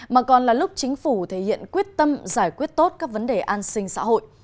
mà còn là lúc chính phủ thể hiện quyết tâm giải quyết tốt các vấn đề an sinh xã hội